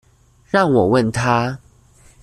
讓我問他